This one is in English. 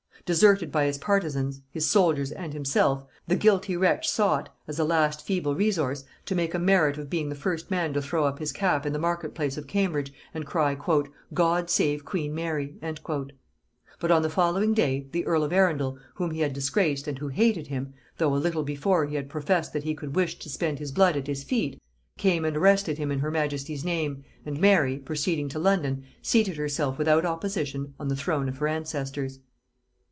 Deserted by his partisans, his soldiers and himself, the guilty wretch sought, as a last feeble resource, to make a merit of being the first man to throw up his cap in the market place of Cambridge, and cry "God save queen Mary!" But on the following day the earl of Arundel, whom he had disgraced, and who hated him, though a little before he had professed that he could wish to spend his blood at his feet, came and arrested him in her majesty's name, and Mary, proceeding to London, seated herself without opposition on the throne of her ancestors.